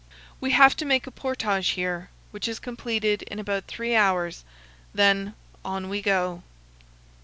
We have to make a portage here, which is completed in about three hours; then on we go.